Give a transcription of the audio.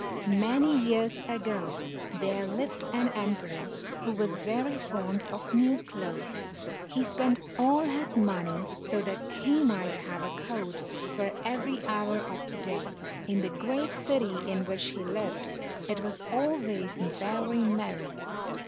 Many years ago, there lived an emperor who was very fond of new clothes. He spent all his money so that he might have a coat for every hour of the day. In the great city in which he lived, it was always very merry.